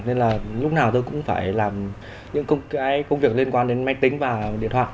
nên là lúc nào tôi cũng phải làm những công việc liên quan đến máy tính và điện thoại